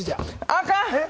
あかん！